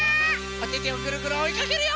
おててをぐるぐるおいかけるよ！